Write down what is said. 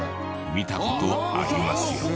見た事ありますよね。